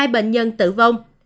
một mươi hai bệnh nhân tử vong